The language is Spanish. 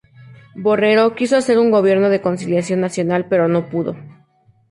Borrero quiso hacer un gobierno de conciliación nacional, pero no pudo.